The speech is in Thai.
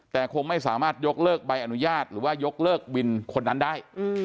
แต่คงไม่สามารถยกเลิกใบอนุญาตหรือว่ายกเลิกวินคนนั้นได้